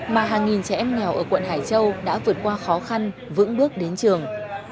mà hàng nghìn trẻ em nghèo ở quận hải châu đã vượt qua khó khăn vững bước đến trường